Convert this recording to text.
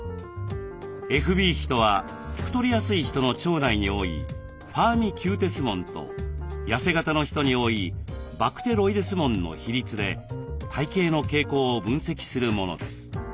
ＦＢ比とは太りやすい人の腸内に多いファーミキューテス門とやせ型の人に多いバクテロイデス門の比率で体型の傾向を分析するものです。